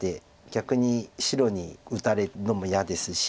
逆に白に打たれるのも嫌ですし。